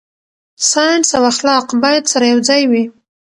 ساينس او اخلاق باید سره یوځای وي.